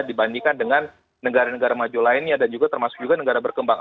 dibandingkan dengan negara negara maju lainnya dan juga termasuk juga negara berkembang